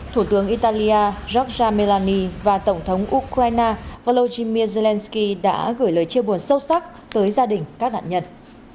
thủ tướng italia giorgia melani và tổng thống ukraine volodymyr zelensky đã gửi lời chia buồn sâu sắc tới gia đình các nạn nhân